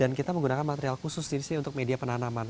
dan kita menggunakan material khusus di sini untuk media penanaman